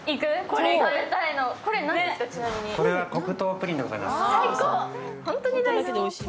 これは黒糖プリンでございます。